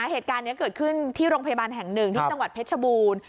เหตุการณ์นี้เกิดขึ้นที่โรงพยาบาลแห่งหนึ่งที่จังหวัดเพชรชบูรณ์